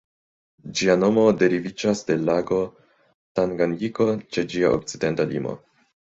Ĝia nomo deriviĝas de lago Tanganjiko ĉe ĝia okcidenta limo.